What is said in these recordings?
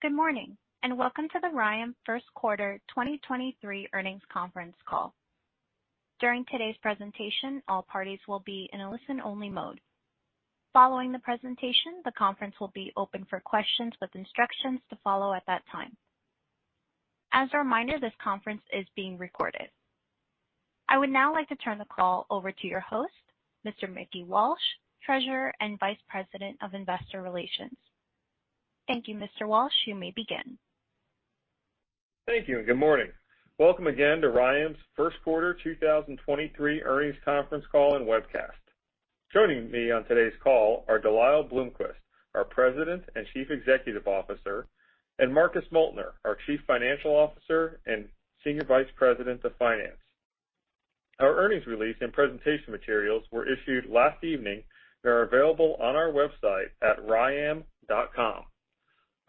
Good morning, welcome to the RYAM 1st quarter 2023 earnings conference call. During today's presentation, all parties will be in a listen-only mode. Following the presentation, the conference will be open for questions with instructions to follow at that time. As a reminder, this conference is being recorded. I would now like to turn the call over to your host, Mr. Mickey Walsh, Treasurer and Vice President of Investor Relations. Thank you, Mr. Walsh. You may begin. Thank you. Good morning. Welcome again to RYAM's Q1 2023 earnings conference call and webcast. Joining me on today's call are De Lyle Bloomquist, our President and Chief Executive Officer, and Marcus Moeltner, our Chief Financial Officer and Senior Vice President of Finance. Our earnings release and presentation materials were issued last evening. They are available on our website at ryam.com.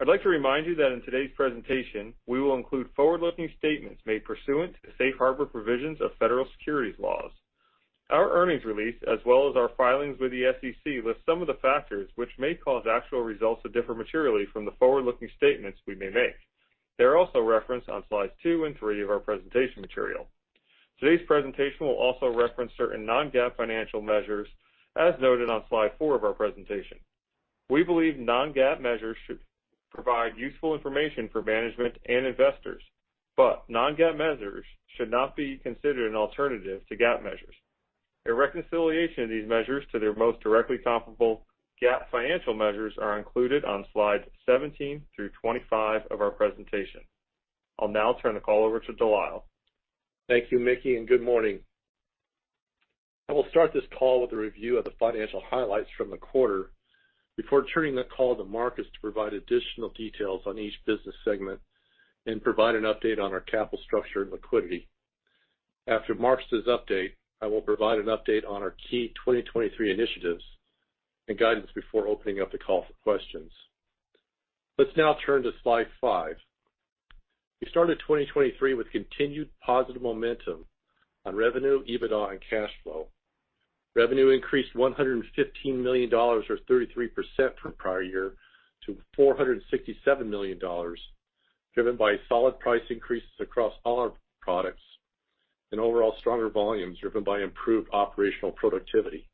I'd like to remind you that in today's presentation, we will include forward-looking statements made pursuant to safe harbor provisions of federal securities laws. Our earnings release as well as our filings with the SEC list some of the factors which may cause actual results to differ materially from the forward-looking statements we may make. They're also referenced on slides 2 and 3 of our presentation material. Today's presentation will also reference certain non-GAAP financial measures as noted on slide 4 of our presentation. We believe non-GAAP measures should provide useful information for management and investors. Non-GAAP measures should not be considered an alternative to GAAP measures. A reconciliation of these measures to their most directly comparable GAAP financial measures are included on slides 17-25 of our presentation. I'll now turn the call over to De Lyle. Thank you, Mickey, and good morning. I will start this call with a review of the financial highlights from the quarter before turning the call to Marcus to provide additional details on each business segment and provide an update on our capital structure and liquidity. After Marcus' update, I will provide an update on our key 2023 initiatives and guidance before opening up the call for questions. Let's now turn to slide 5. We started 2023 with continued positive momentum on revenue, EBITDA, and cash flow. Revenue increased $115 million or 33% from prior year to $467 million, driven by solid price increases across all our products and overall stronger volumes driven by improved operational productivity.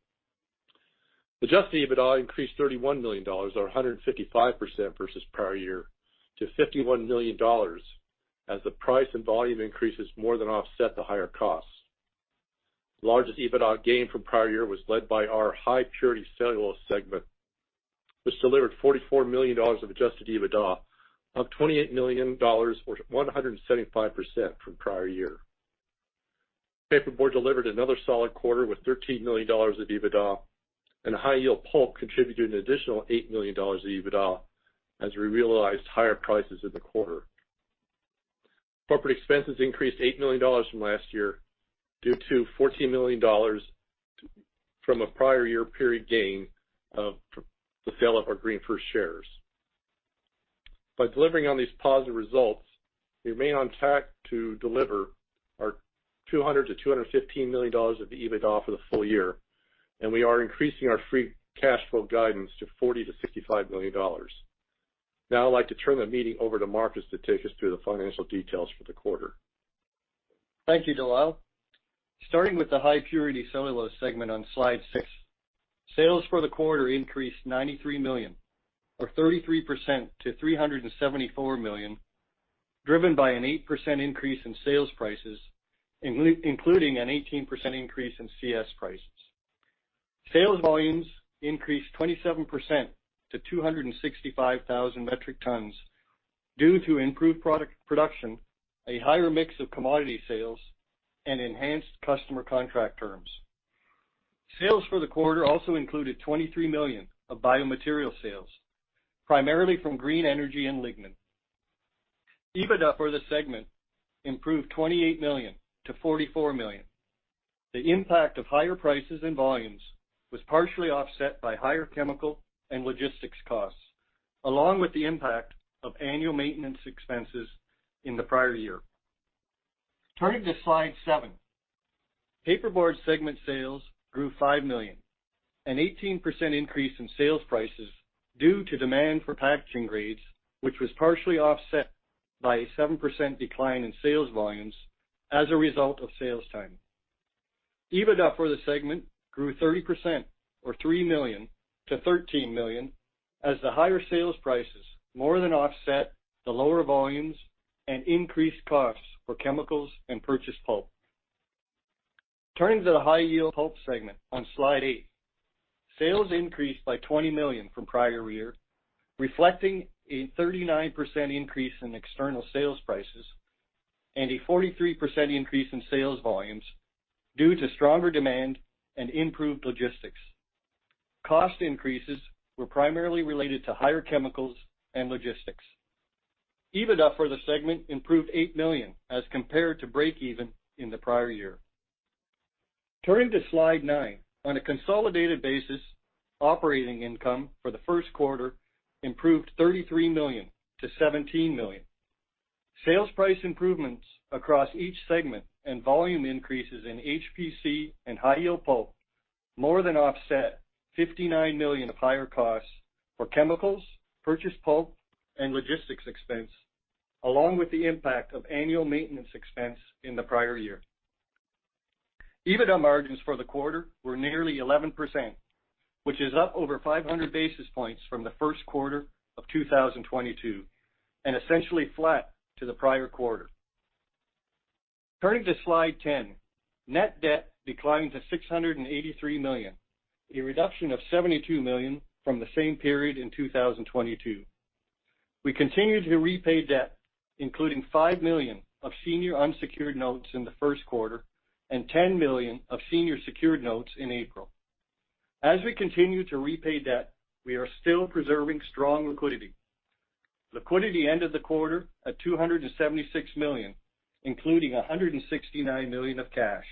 Adjusted EBITDA increased $31 million or 155% versus prior year to $51 million as the price and volume increases more than offset the higher costs. The largest EBITDA gain from prior year was led by our High-Purity Cellulose segment, which delivered $44 million of adjusted EBITDA, up $28 million or 175% from prior year. Paperboard delivered another solid quarter with $13 million of EBITDA. High-yield pulp contributed an additional $8 million of EBITDA as we realized higher prices in the quarter. Corporate expenses increased $8 million from last year due to $14 million from a prior year period gain of the sale of our GreenFirst shares. By delivering on these positive results, we remain on track to deliver our $200 million-$215 million of EBITDA for the full year. We are increasing our free cash flow guidance to $40 million-$65 million. Now I'd like to turn the meeting over to Marcus to take us through the financial details for the quarter. Thank you, De Lyle. Starting with the High Purity Cellulose segment on slide six. Sales for the quarter increased $93 million or 33% to $374 million, driven by an 8% increase in sales prices, including an 18% increase in CS prices. Sales volumes increased 27% to 265,000 metric tons due to improved product production, a higher mix of commodity sales, and enhanced customer contract terms. Sales for the quarter also included $23 million of biomaterials sales, primarily from green energy and lignin. EBITDA for the segment improved $28 million to $44 million. The impact of higher prices and volumes was partially offset by higher chemical and logistics costs, along with the impact of annual maintenance expenses in the prior year. Turning to slide seven. Paperboard segment sales grew $5 million, an 18% increase in sales prices due to demand for packaging grades, which was partially offset by a 7% decline in sales volumes as a result of sales timing. EBITDA for the segment grew 30% or $3 million to $13 million as the higher sales prices more than offset the lower volumes and increased costs for chemicals and purchased pulp. Turning to the High Purity Cellulose segment on slide 8. Sales increased by $20 million from prior year, reflecting a 39% increase in external sales prices and a 43% increase in sales volumes due to stronger demand and improved logistics. Cost increases were primarily related to higher chemicals and logistics. EBITDA for the segment improved $8 million as compared to breakeven in the prior year. Turning to slide 9. On a consolidated basis, operating income for the Q1 improved $33 million to $17 million. Sales price improvements across each segment and volume increases in HPC and high-yield pulp more than offset $59 million of higher costs for chemicals, purchased pulp, and logistics expense, along with the impact of annual maintenance expense in the prior year. EBITDA margins for the quarter were nearly 11%, which is up over 500 basis points from the Q1 of 2022, and essentially flat to the prior quarter. Turning to slide 10. Net debt declined to $683 million, a reduction of $72 million from the same period in 2022. We continued to repay debt, including $5 million of senior unsecured notes in the Q1 and $10 million of senior secured notes in April. As we continue to repay debt, we are still preserving strong liquidity. Liquidity ended the quarter at $276 million, including $169 million of cash.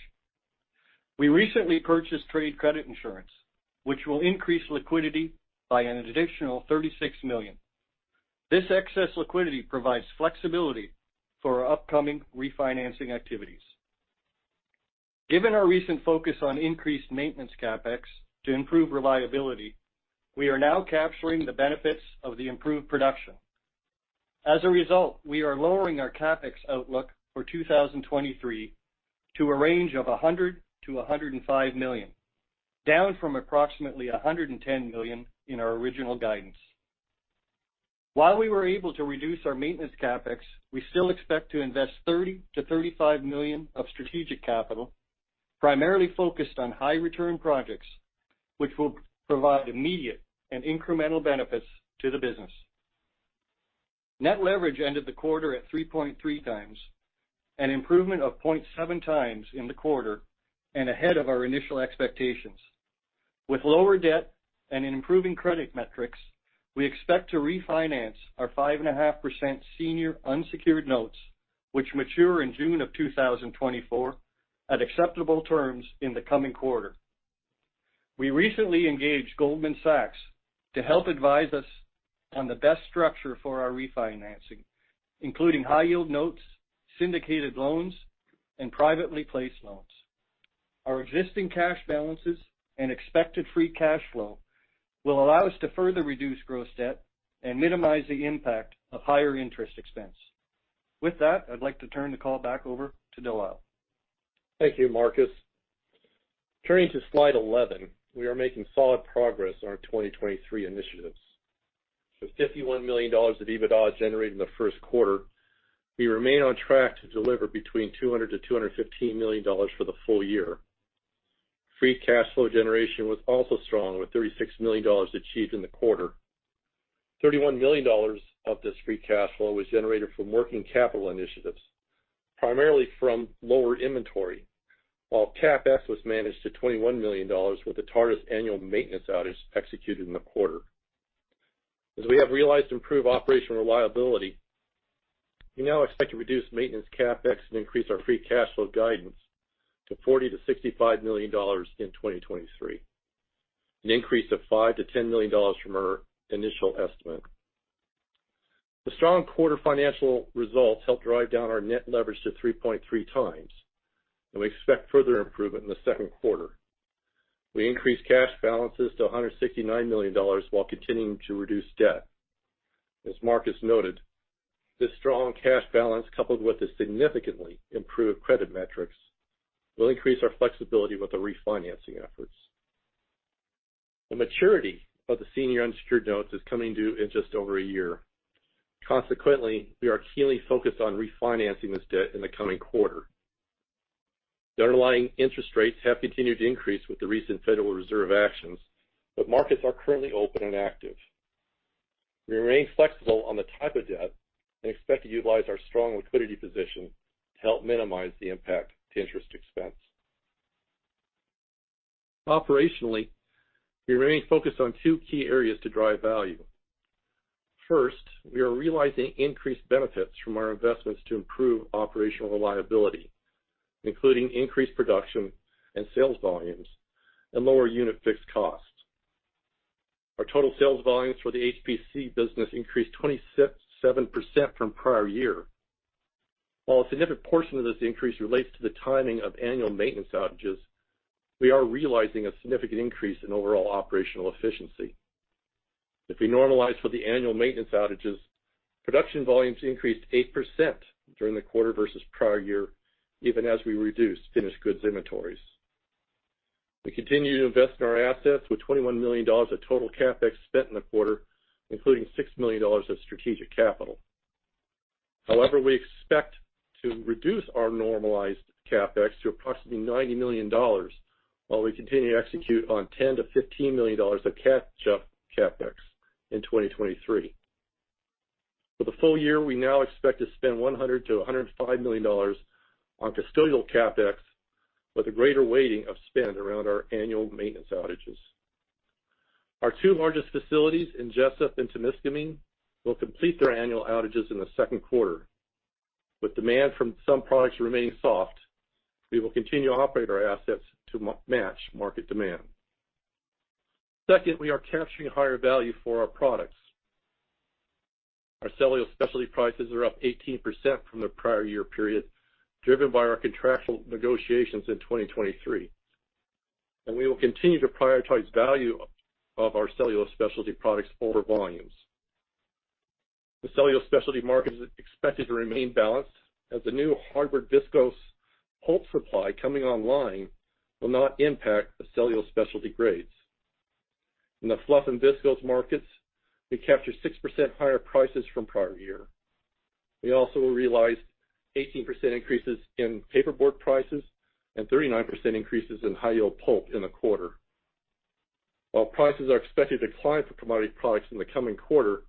We recently purchased trade credit insurance, which will increase liquidity by an additional $36 million. This excess liquidity provides flexibility for our upcoming refinancing activities. Given our recent focus on increased maintenance CapEx to improve reliability, we are now capturing the benefits of the improved production. As a result, we are lowering our CapEx outlook for 2023 to a range of $100 million-$105 million, down from approximately $110 million in our original guidance. While we were able to reduce our maintenance CapEx, we still expect to invest $30 million-$35 million of strategic capital, primarily focused on high-return projects, which will provide immediate and incremental benefits to the business. Net leverage ended the quarter at 3.3x, an improvement of 0.7x in the quarter and ahead of our initial expectations. With lower debt and improving credit metrics, we expect to refinance our 5.5% senior unsecured notes, which mature in June 2024, at acceptable terms in the coming quarter. We recently engaged Goldman Sachs to help advise us on the best structure for our refinancing, including high-yield notes, syndicated loans, and privately placed loans. Our existing cash balances and expected free cash flow will allow us to further reduce gross debt and minimize the impact of higher interest expense. With that, I'd like to turn the call back over to De Lyle. Thank you, Marcus. Turning to slide 11. We are making solid progress on our 2023 initiatives. With $51 million of EBITDA generated in the Q1, we remain on track to deliver between $200 million-$215 million for the full year. Free cash flow generation was also strong, with $36 million achieved in the quarter. $31 million of this free cash flow was generated from working capital initiatives, primarily from lower inventory, while CapEx was managed to $21 million with the Tartas annual maintenance outage executed in the quarter. As we have realized improved operational reliability, we now expect to reduce maintenance CapEx and increase our free cash flow guidance to $40 million-$65 million in 2023, an increase of $5 million-$10 million from our initial estimate. The strong quarter financial results helped drive down our net leverage to 3.3 times, and we expect further improvement in the Q2. We increased cash balances to $169 million while continuing to reduce debt. As Marcus noted, this strong cash balance, coupled with the significantly improved credit metrics, will increase our flexibility with the refinancing efforts. The maturity of the senior unsecured notes is coming due in just over a year. Consequently, we are keenly focused on refinancing this debt in the coming quarter. The underlying interest rates have continued to increase with the recent Federal Reserve actions, but markets are currently open and active. We remain flexible on the type of debt and expect to utilize our strong liquidity position to help minimize the impact to interest expense. Operationally, we remain focused on two key areas to drive value. First, we are realizing increased benefits from our investments to improve operational reliability, including increased production and sales volumes and lower unit fixed costs. Our total sales volumes for the HPC business increased 27% from prior year. While a significant portion of this increase relates to the timing of annual maintenance outages, we are realizing a significant increase in overall operational efficiency. If we normalize for the annual maintenance outages, production volumes increased 8% during the quarter versus prior year, even as we reduced finished goods inventories. We continue to invest in our assets with $21 million of total CapEx spent in the quarter, including $6 million of strategic capital. However, we expect to reduce our normalized CapEx to approximately $90 million while we continue to execute on $10 million-$15 million of catch-up CapEx in 2023. For the full year, we now expect to spend $100 million-$105 million on custodial CapEx, with a greater weighting of spend around our annual maintenance outages. Our two largest facilities in Jesup and Temiscaming will complete their annual outages in the Q2. With demand from some products remaining soft, we will continue to operate our assets to match market demand. Second, we are capturing higher value for our products. Our Cellulose Specialties prices are up 18% from the prior year period, driven by our contractual negotiations in 2023. We will continue to prioritize value of our Cellulose Specialties products over volumes. The Cellulose Specialties market is expected to remain balanced as the new hardwood Viscose pulp supply coming online will not impact the Cellulose Specialties grades. In the fluff and Viscose markets, we capture 6% higher prices from prior year. We also realized 18% increases in paperboard prices and 39% increases in high-yield pulp in the quarter. While prices are expected to decline for commodity products in the coming quarter,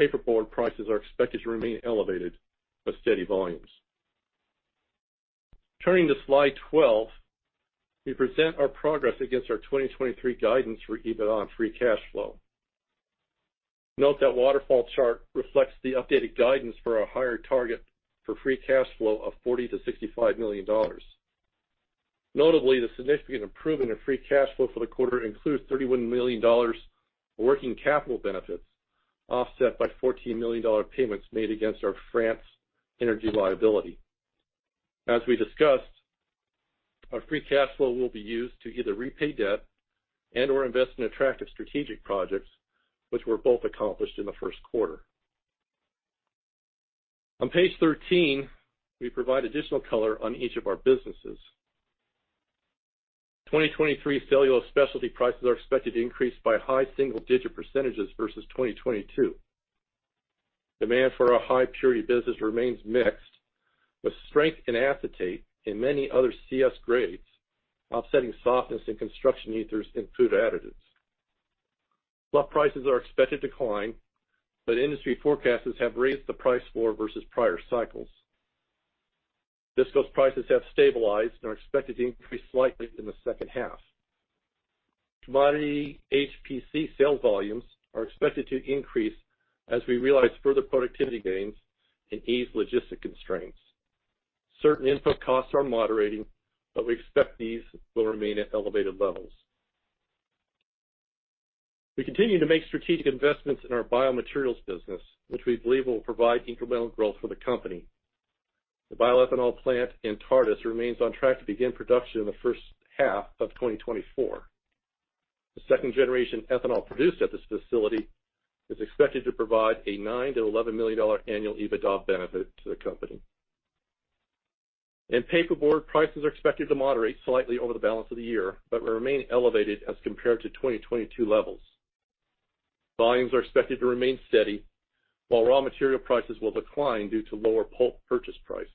paperboard prices are expected to remain elevated with steady volumes. Turning to slide 12, we present our progress against our 2023 guidance for EBITDA and free cash flow. Note that waterfall chart reflects the updated guidance for a higher target for free cash flow of $40 million-$65 million. Notably, the significant improvement in free cash flow for the quarter includes $31 million in working capital benefits, offset by $14 million payments made against our France energy liability. As we discussed, our free cash flow will be used to either repay debt and/or invest in attractive strategic projects, which were both accomplished in the Q1. On page 13, we provide additional color on each of our businesses. 2023 Cellulose Specialties prices are expected to increase by high single-digit % versus 2022. Demand for our High-Purity business remains mixed, with strength in acetate and many other CS grades offsetting softness in construction ethers and food additives. Fluff prices are expected to decline, but industry forecasters have raised the price floor versus prior cycles. Viscose prices have stabilized and are expected to increase slightly in the second half. Commodity HPC sales volumes are expected to increase as we realize further productivity gains and ease logistics constraints. Certain input costs are moderating, but we expect these will remain at elevated levels. We continue to make strategic investments in our biomaterials business, which we believe will provide incremental growth for the company. The bioethanol plant in Tartas remains on track to begin production in the first half of 2024. The second-generation ethanol produced at this facility is expected to provide a $9 million-$11 million annual EBITDA benefit to the company. Paperboard prices are expected to moderate slightly over the balance of the year, but will remain elevated as compared to 2022 levels. Volumes are expected to remain steady, while raw material prices will decline due to lower pulp purchase prices.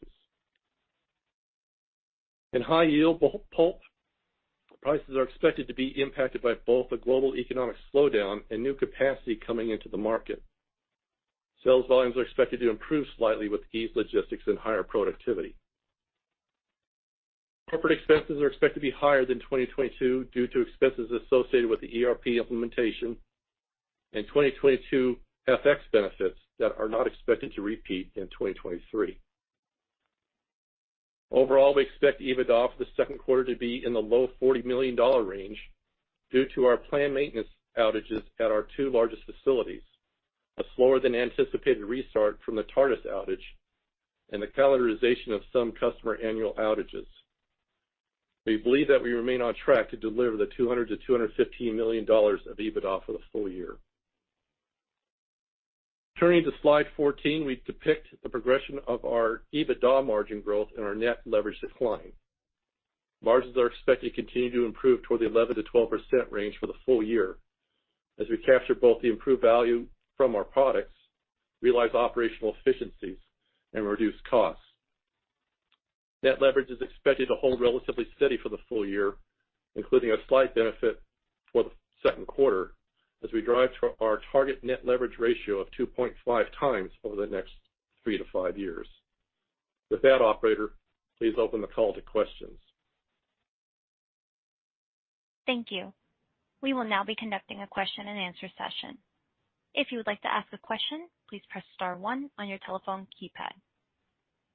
In high-yield pulp, prices are expected to be impacted by both the global economic slowdown and new capacity coming into the market. Sales volumes are expected to improve slightly with eased logistics and higher productivity. Corporate expenses are expected to be higher than in 2022 due to expenses associated with the ERP implementation and 2022 FX benefits that are not expected to repeat in 2023. We expect EBITDA for the Q2 to be in the low $40 million range due to our planned maintenance outages at our two largest facilities, a slower than anticipated restart from the Tartas outage, and the calendarization of some customer annual outages. We believe that we remain on track to deliver the $200 million-$215 million of EBITDA for the full year. Turning to slide 14, we depict the progression of our EBITDA margin growth and our net leverage decline. Margins are expected to continue to improve toward the 11%-12% range for the full year as we capture both the improved value from our products, realize operational efficiencies, and reduce costs. Net leverage is expected to hold relatively steady for the full year, including a slight benefit for the Q2 as we drive to our target net leverage ratio of 2.5x over the next 3-5 years. With that, operator, please open the call to questions. Thank you. We will now be conducting a question-and-answer session. If you would like to ask a question, please press star one on your telephone keypad.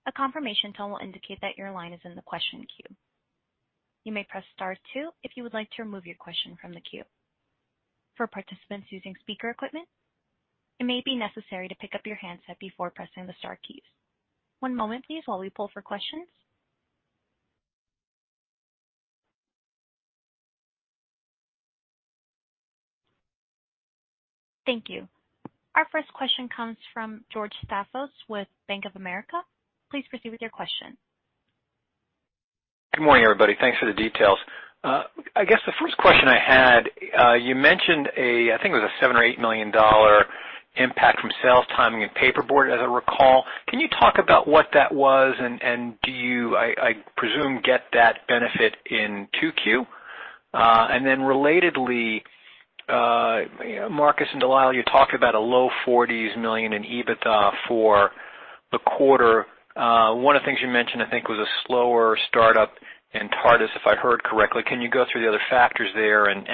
A confirmation tone will indicate that your line is in the question queue. You may press star two if you would like to remove your question from the queue. For participants using speaker equipment, it may be necessary to pick up your handset before pressing the star keys. One moment please while we poll for questions. Thank you. Our first question comes from George Staphos with Bank of America. Please proceed with your question. Good morning, everybody. Thanks for the details. I guess the first question I had, you mentioned a, I think it was a $7 million-$8 million impact from sales timing in paperboard, as I recall. Can you talk about what that was? Do you, I presume, get that benefit in Q2? Then relatedly, Marcus and De Lyle, you talked about a low $40 million in EBITDA for the quarter. One of the things you mentioned, I think, was a slower startup in Tartas, if I heard correctly. Can you go through the other factors there and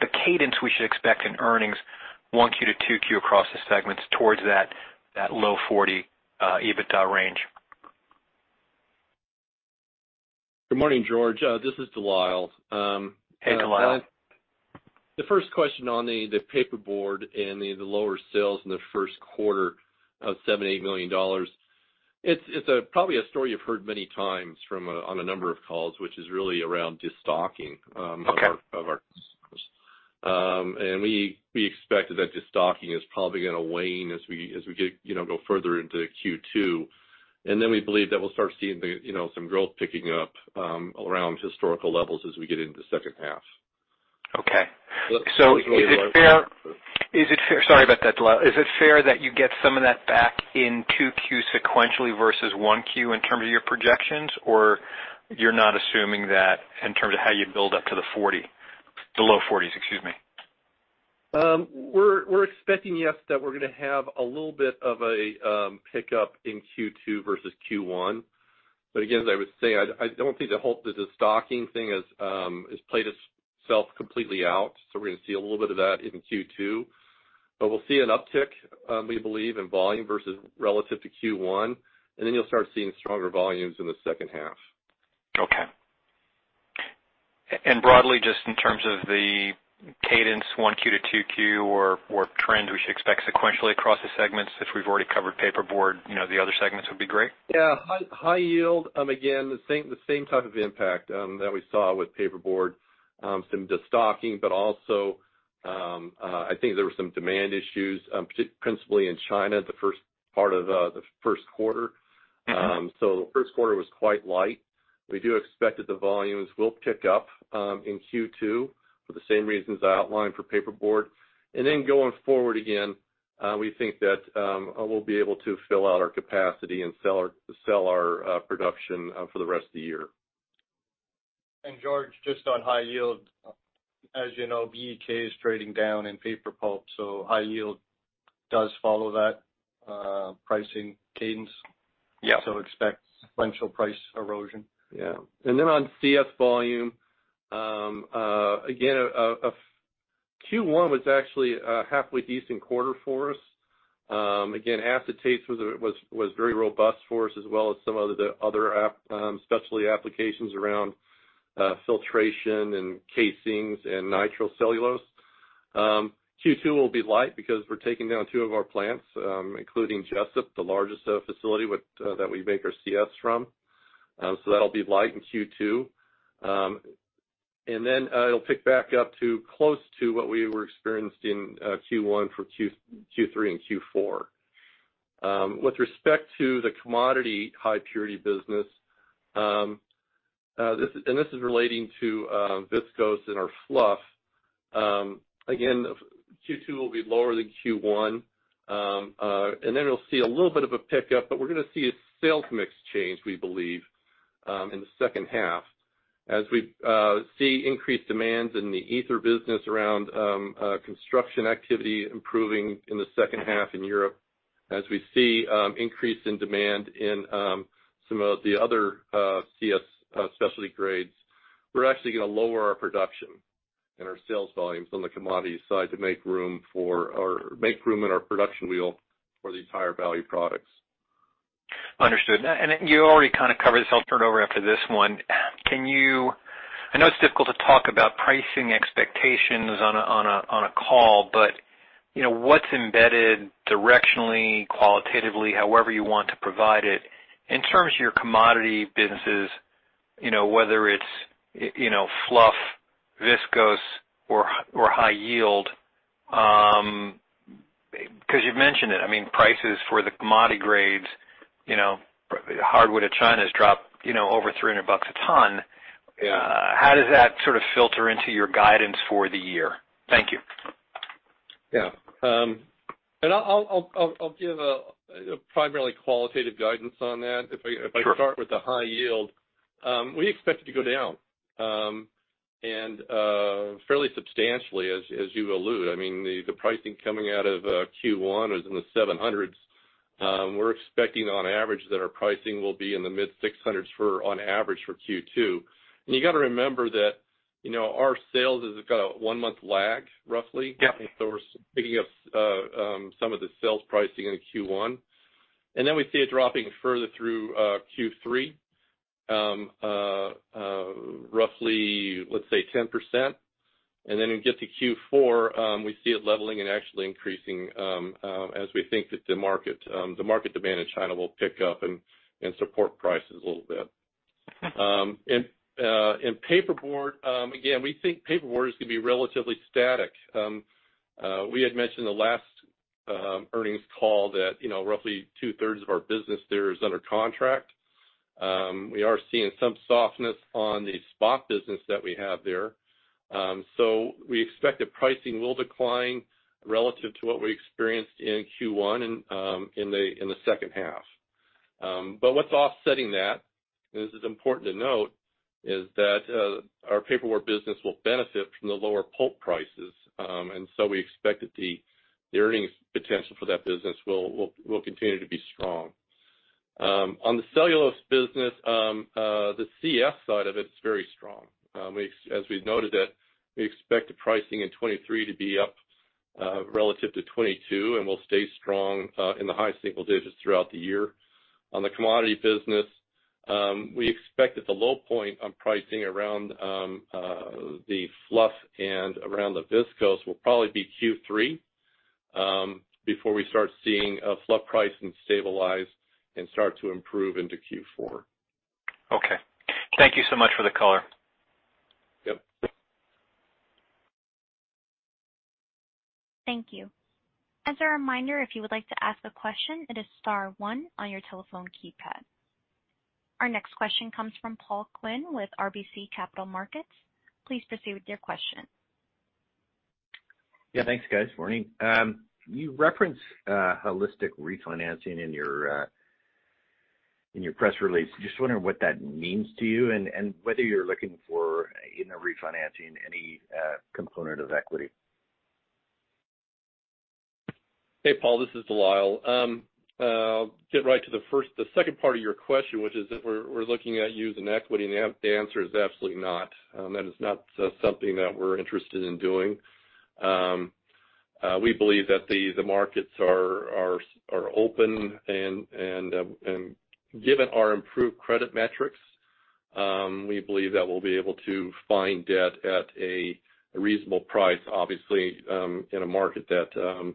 the cadence we should expect in earnings Q1 to Q2 across the segments towards that low $40 million EBITDA range? Good morning, George. This is De Lyle. Hey, De Lyle. The first question on the paperboard and the lower sales in the Q1 of $7 million-$8 million. It's a probably a story you've heard many times on a number of calls, which is really around destocking. Okay. of our customers. We expect that that destocking is probably gonna wane as we get, you know, go further into Q2. Then we believe that we'll start seeing the, you know, some growth picking up around historical levels as we get into the second half. Is it fair, sorry about that, De Lyle, that you get some of that back in Q2 sequentially versus Q1 in terms of your projections? You're not assuming that in terms of how you build up to the 40s, the low 40s, excuse me? We're expecting, yes, that we're gonna have a little bit of a pickup in Q2 versus Q1. Again, as I would say, I don't think the destocking thing has played itself completely out, so we're gonna see a little bit of that in Q2. We'll see an uptick, we believe in volume versus relative to Q1, and then you'll start seeing stronger volumes in the second half. Okay. Broadly, just in terms of the cadence Q1 to Q2 or trends we should expect sequentially across the segments, since we've already covered paperboard, you know, the other segments would be great. Yeah. High-yield, again, the same type of impact, that we saw with paperboard. Some destocking, but also, I think there were some demand issues, principally in China the first part of the Q1. Mm-hmm. The Q1 was quite light. We do expect that the volumes will pick up in Q2 for the same reasons I outlined for paperboard. Going forward, again, we think that we'll be able to fill out our capacity and sell our production for the rest of the year. George, just on high yield, as you know, BEK is trading down in paper pulp, so high yield does follow that pricing cadence. Yeah. Expect sequential price erosion. On CS volume, again, Q1 was actually a halfway decent quarter for us. Again, acetate was very robust for us as well as some other specialty applications around filtration and casings and nitrocellulose. Q2 will be light because we're taking down two of our plants, including Jesup, the largest facility that we make our CS from. So that'll be light in Q2. It'll pick back up to close to what we were experienced in Q1 for Q3 and Q4. With respect to the commodity High Purity Cellulose business, this is relating to Viscose and our fluff. Again, Q2 will be lower than Q1. It'll see a little bit of a pickup, but we're gonna see a sales mix change, we believe, in the second half. We see increased demands in the ether business around construction activity improving in the second half in Europe. We see increase in demand in some of the other CS specialty grades, we're actually gonna lower our production and our sales volumes on the commodity side to make room in our production wheel for these higher value products. Understood. You already kind of covered this, I'll turn it over after this one. Can you I know it's difficult to talk about pricing expectations on a call, but, you know, what's embedded directionally, qualitatively, however you want to provide it, in terms of your commodity businesses, you know, whether it's, you know, fluff, Viscose or high yield, 'cause you've mentioned it, I mean, prices for the commodity grades, you know, hardwood in China has dropped, you know, over $300 a ton. Yeah. How does that sort of filter into your guidance for the year? Thank you. Yeah. I'll give a primarily qualitative guidance on that. Sure. If I start with the high yield, we expect it to go down, and fairly substantially as you allude. I mean, the pricing coming out of Q1 is in the $700s. We're expecting on average that our pricing will be in the mid $600s for on average for Q2. You gotta remember that, you know, our sales has got a one-month lag, roughly. Yeah. We're speaking of some of the sales pricing in Q1, and then we see it dropping further through Q3, roughly, let's say 10%. We get to Q4, we see it leveling and actually increasing as we think that the market demand in China will pick up and support prices a little bit. In paperboard, again, we think paperboard is gonna be relatively static. We had mentioned the last earnings call that, you know, roughly 2/3 of our business there is under contract. We are seeing some softness on the spot business that we have there. We expect that pricing will decline relative to what we experienced in Q1 in the second half. What's offsetting that, and this is important to note, is that our paperboard business will benefit from the lower pulp prices. We expect that the earnings potential for that business will continue to be strong. On the cellulose business, the CS side of it is very strong. As we've noted it, we expect the pricing in 2023 to be up relative to 2022, and will stay strong in the high single digits throughout the year. On the commodity business, we expect that the low point on pricing around the Fluff and around the Viscose will probably be Q3 before we start seeing a Fluff price and stabilize and start to improve into Q4. Okay. Thank you so much for the color. Yep. Thank you. As a reminder, if you would like to ask a question, it is star one on your telephone keypad. Our next question comes from Paul Quinn with RBC Capital Markets. Please proceed with your question. Yeah, thanks guys. Morning. You referenced a holistic refinancing in your press release. Just wondering what that means to you and whether you're looking for, in a refinancing, any component of equity? Hey, Paul, this is De Lyle. Get right to the second part of your question, which is if we're looking at using equity, and the answer is absolutely not. That is not something that we're interested in doing. We believe that the markets are open and given our improved credit metrics, we believe that we'll be able to find debt at a reasonable price, obviously, in a market that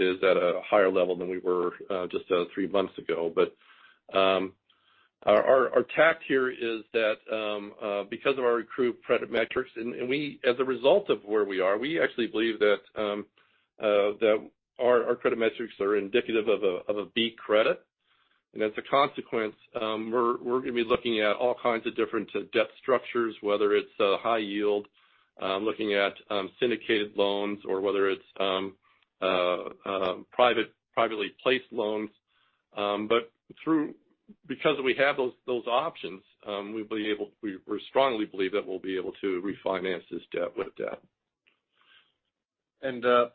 is at a higher level than we were just 3 months ago. Our tact here is that because of our improved credit metrics, and we as a result of where we are, we actually believe that our credit metrics are indicative of a B credit. As a consequence, we're gonna be looking at all kinds of different debt structures, whether it's high-yield, looking at syndicated loans or whether it's privately placed loans. Because we have those options, we strongly believe that we'll be able to refinance this debt with debt.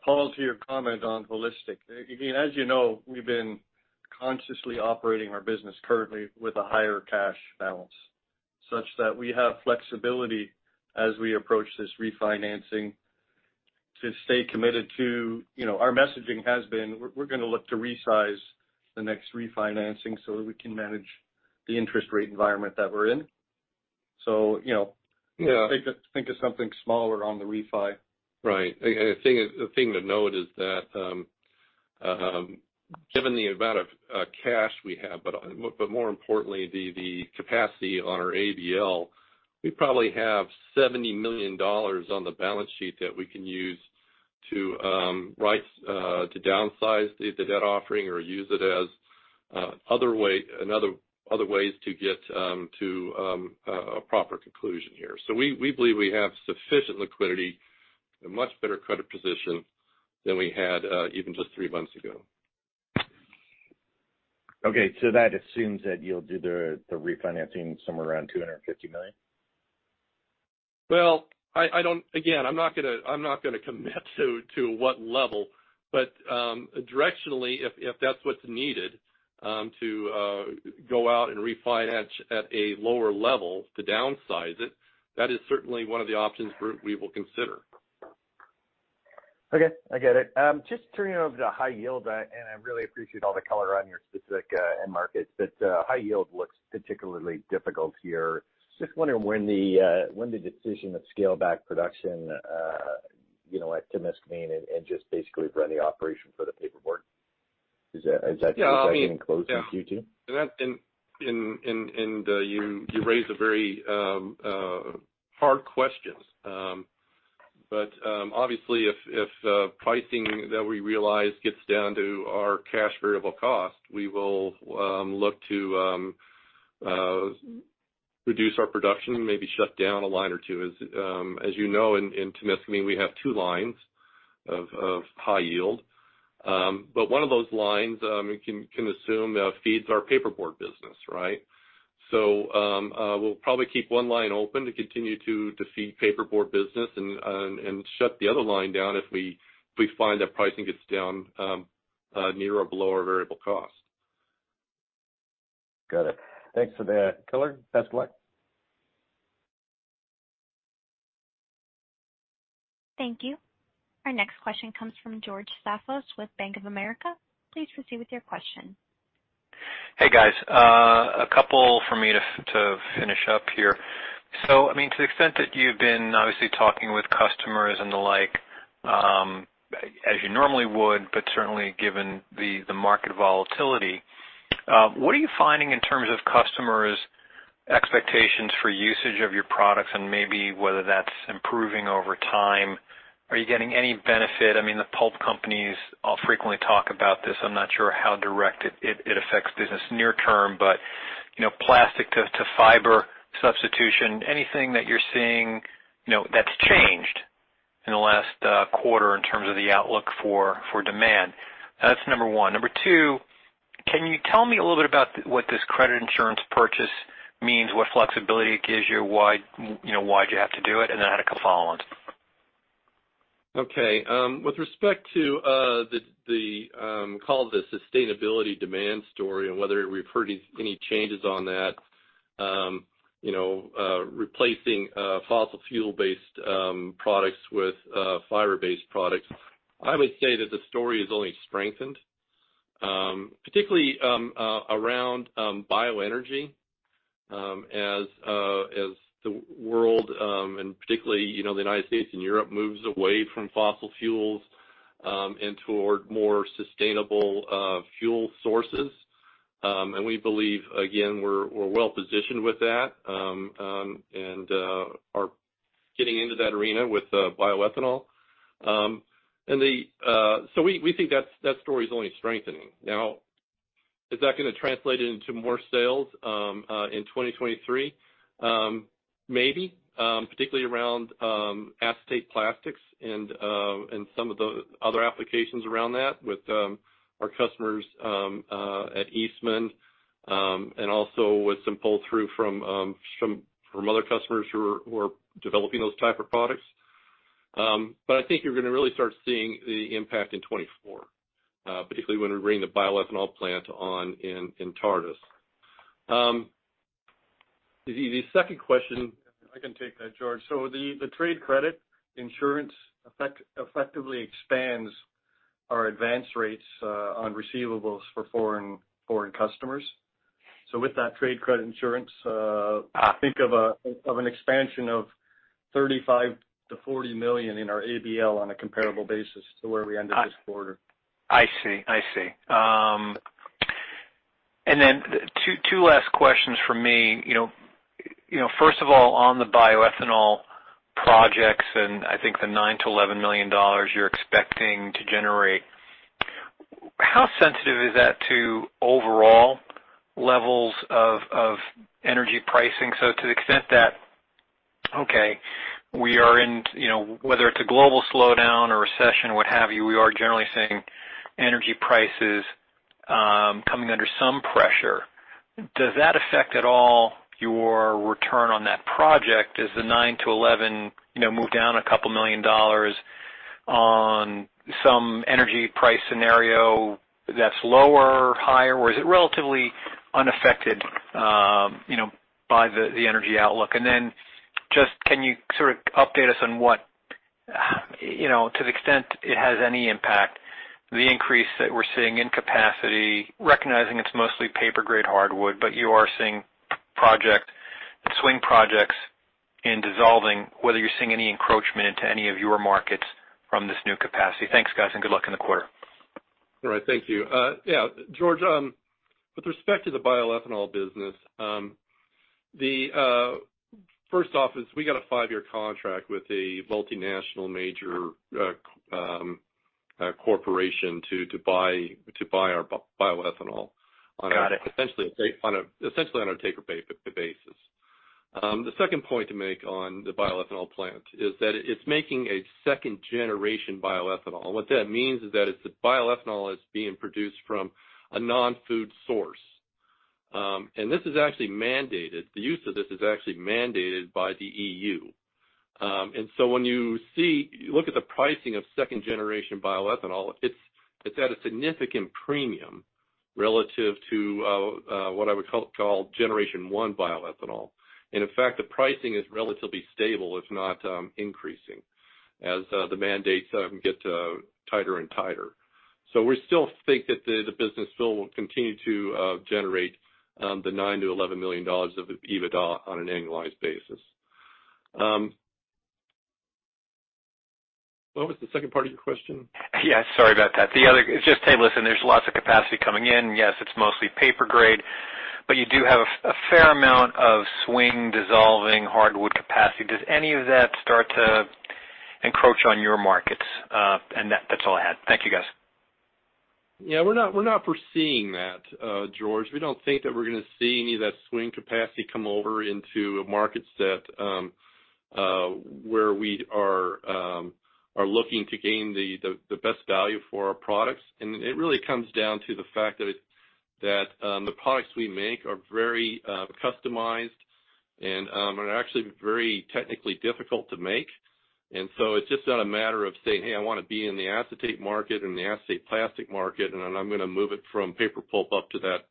Paul, to your comment on holistic. Again, as you know, we've been consciously operating our business currently with a higher cash balance, such that we have flexibility as we approach this refinancing to stay committed to. You know, our messaging has been we're gonna look to resize the next refinancing so that we can manage the interest rate environment that we're in. You know. Yeah. Think of something smaller on the refi. Right. A thing to note is that given the amount of cash we have, but more importantly the capacity on our ABL, we probably have $70 million on the balance sheet that we can use to right to downsize the debt offering or use it as other ways to get to a proper conclusion here. We believe we have sufficient liquidity, a much better credit position than we had even just 3 months ago. Okay. That assumes that you'll do the refinancing somewhere around $250 million? I don't... Again, I'm not gonna commit to what level. Directionally, if that's what's needed, to go out and refinance at a lower level to downsize it, that is certainly one of the options we will consider. Okay. I get it. just turning over to High Yield, and I really appreciate all the color on your specific end markets, but High Yield looks particularly difficult here. Just wondering when the decision to scale back production, you know, at Temiscaming and just basically run the operation for the paperboard, is that? Yeah. I mean.... closing Q2? Yeah. You raise a very hard question. Obviously if pricing that we realize gets down to our cash variable cost, we will look to reduce our production, maybe shut down a line or two. As you know, in Temiscaming, we have two lines of high yield. One of those lines, you can assume feeds our paperboard business, right? We'll probably keep one line open to continue to feed paperboard business and shut the other line down if we find that pricing gets down near or below our variable cost. Got it. Thanks for the color. Best of luck. Thank you. Our next question comes from George Staphos with Bank of America. Please proceed with your question. Hey, guys. A couple for me to finish up here. I mean, to the extent that you've been obviously talking with customers and the like, as you normally would, but certainly given the market volatility, what are you finding in terms of customers' expectations for usage of your products and maybe whether that's improving over time? Are you getting any benefit? I mean, the pulp companies all frequently talk about this. I'm not sure how direct it affects business near term, but, you know, plastic to fiber substitution, anything that you're seeing, you know, that's changed in the last quarter in terms of the outlook for demand? That's number 1. Number 2, can you tell me a little bit about what this credit insurance purchase means, what flexibility it gives you? Why, you know, why'd you have to do it? I had a couple of follow-ons. Okay. With respect to the call it the sustainability demand story and whether we've heard any changes on that. You know, replacing fossil fuel-based products with fiber-based products. I would say that the story has only strengthened, particularly around bioenergy, as the world, and particularly, you know, the United States and Europe moves away from fossil fuels, and toward more sustainable fuel sources. We believe, again, we're well-positioned with that, and are getting into that arena with bioethanol. We think that story is only strengthening. Now, is that gonna translate into more sales in 2023? Maybe particularly around acetate plastics and some of the other applications around that with our customers at Eastman, and also with some pull-through from other customers who are developing those type of products. I think you're gonna really start seeing the impact in 2024, particularly when we bring the bioethanol plant on in Tartas. The second question. I can take that, George. The trade credit insurance effectively expands our advance rates on receivables for foreign customers. With that trade credit insurance, think of an expansion of $35 million-$40 million in our ABL on a comparable basis to where we ended this quarter. I see. I see. Then two last questions from me. You know, first of all, on the bioethanol projects, I think the $9 million-$11 million you're expecting to generate, how sensitive is that to overall levels of energy pricing? To the extent that, okay, You know, whether it's a global slowdown or recession, what have you, we are generally seeing energy prices coming under some pressure. Does that affect at all your return on that project? Does the $9 million-$11 million, you know, move down a couple of million dollars on some energy price scenario that's lower or higher? Is it relatively unaffected, you know, by the energy outlook? Just, can you sort of update us on what, you know, to the extent it has any impact, the increase that we're seeing in capacity, recognizing it's mostly paper-grade hardwood, but you are seeing project, swing projects in dissolving, whether you're seeing any encroachment into any of your markets from this new capacity. Thanks, guys, and good luck in the quarter. All right. Thank you. yeah, George, with respect to the bioethanol business, First off is we got a 5-year contract with a multinational major, corporation to buy our bioethanol on a- Got it. Essentially on a take-or-pay basis. The second point to make on the bioethanol plant is that it's making a second-generation bioethanol. What that means is that it's a bioethanol that's being produced from a non-food source. This is actually mandated. The use of this is actually mandated by the EU. When you look at the pricing of second-generation bioethanol, it's at a significant premium relative to what I would call generation one bioethanol. In fact, the pricing is relatively stable, if not increasing as the mandates get tighter and tighter. We still think that the business still will continue to generate the $9 million-$11 million of EBITDA on an annualized basis. What was the second part of your question? Yeah, sorry about that. The other... It's just, hey, listen, there's lots of capacity coming in. Yes, it's mostly paper grade, but you do have a fair amount of swing dissolving hardwood capacity. Does any of that start to encroach on your markets? That's all I had. Thank you, guys. Yeah. We're not, we're not foreseeing that, George. We don't think that we're gonna see any of that swing capacity come over into markets that where we are looking to gain the best value for our products. It really comes down to the fact that the products we make are very customized and are actually very technically difficult to make. It's just not a matter of saying, "Hey, I wanna be in the acetate market and the acetate plastics market, and then I'm gonna move it from paper pulp up to that,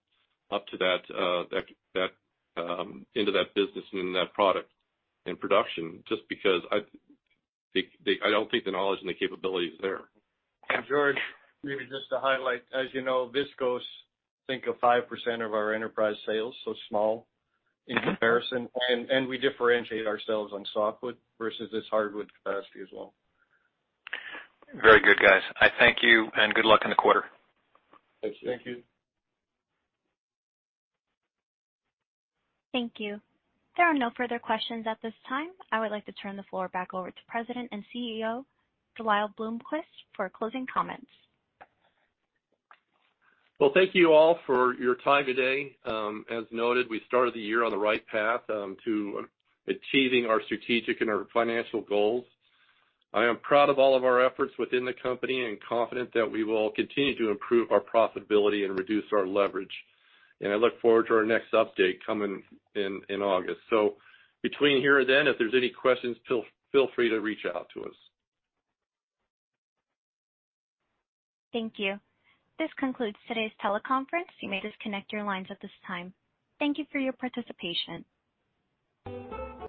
into that business and into that product and production," just because I, the. I don't think the knowledge and the capability is there. George, maybe just to highlight, as you know, Viscose, think of 5% of our enterprise sales, so small in comparison. We differentiate ourselves on softwood versus this hardwood capacity as well. Very good, guys. I thank you, and good luck in the quarter. Thank you. Thank you. Thank you. There are no further questions at this time. I would like to turn the floor back over to President and CEO, De Lyle Bloomquist, for closing comments. Well, thank you all for your time today. As noted, we started the year on the right path to achieving our strategic and our financial goals. I am proud of all of our efforts within the company and confident that we will continue to improve our profitability and reduce our leverage. I look forward to our next update coming in August. Between here and then, if there's any questions, feel free to reach out to us. Thank you. This concludes today's teleconference. You may disconnect your lines at this time. Thank you for your participation.